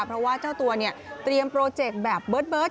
เพราะว่าเจ้าตัวเนี่ยเตรียมโปรเจกต์แบบเบิร์ต